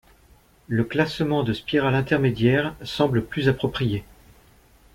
Le classement de spirale intermédiaire semble plus approprié.